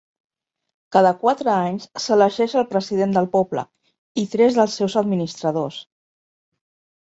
Cada quatre anys s'elegeix el president del poble i tres dels seus administradors.